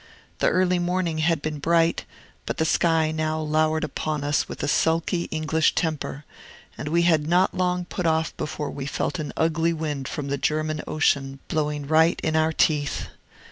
The early morning had been bright; but the sky now lowered upon us with a sulky English temper, and we had not long put off before we felt an ugly wind from the German Ocean blowing right in our teeth.